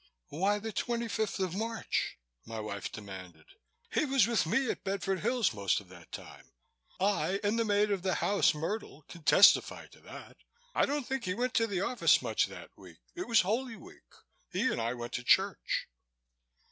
"Why the twenty fifth of March?" my wife demanded. "He was with me at Bedford Hills most of that time. I, and the maid at the house, Myrtle, can testify to that. I don't think he went to the office much that week. It was Holy Week. He and I went to church."